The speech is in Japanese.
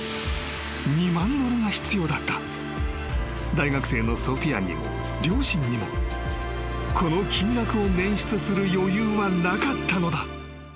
［大学生のソフィアにも両親にもこの金額を捻出する余裕はなかったのだ］